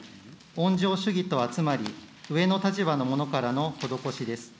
温情主義とはつまり、上の立場の者からの施しです。